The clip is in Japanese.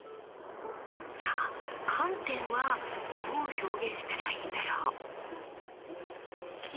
さあ観点はどう表現したらいいんだろう？